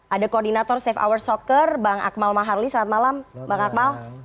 ada koordinator safe hour soccer bang akmal maharli selamat malam bang akmal